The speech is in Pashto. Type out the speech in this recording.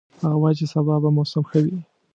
هغه وایي چې سبا به موسم ښه وي